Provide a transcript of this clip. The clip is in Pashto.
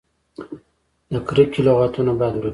د کرکې لغتونه باید ورک شي.